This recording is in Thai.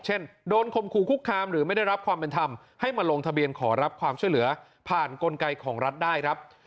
เช่นโดนคมขู่คุกคามหรือไม่ได้รับความเป็นธรรมให้มาลงทะเบียนขอรับความช่วยเหลือผ่านกลไกของรัฐได้ครับ